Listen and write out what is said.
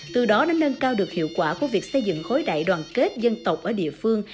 từ đó đã nâng cao được hiệu quả của việc xây dựng khối đại đoàn kết dân tộc ở địa phương